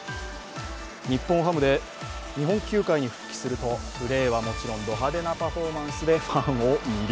日本ハムで日本球界に復帰するとプレーはもちろんド派手なパフォーマンスでファンを魅了。